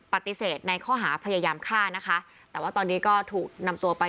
ปฏิเสธในข้อหาพยายามฆ่านะคะแต่ว่าตอนนี้ก็ถูกนำตัวไป